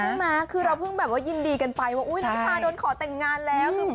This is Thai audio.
ใช่ไหมคือเราเพิ่งแบบว่ายินดีกันไปว่าอุ๊ยน้ำชาโดนขอแต่งงานแล้ว